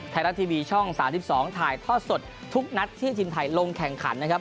ไทยรัฐทีวีช่อง๓๒ถ่ายทอดสดทุกนัดที่ทีมไทยลงแข่งขันนะครับ